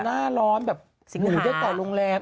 หน้าร้อนแบบหูได้ต่อโรงแรม